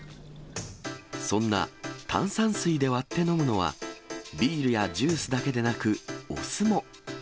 そんな炭酸水で割って飲むのは、ビールやジュースだけでなく、お酢も。